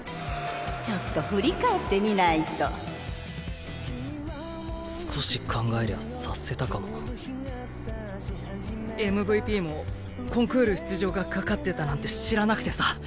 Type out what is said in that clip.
ちょっと振り返ってみないとＭＶＰもコンクール出場が懸かってたなんて知らなくてさ。